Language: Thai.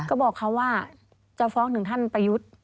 ก็บอกเขาว่าจะฟ้องถึงท่านประยุทธ์